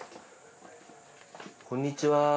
こんにちは。